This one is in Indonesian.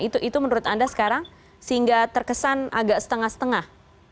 itu menurut anda sekarang sehingga terkesan agak setengah setengah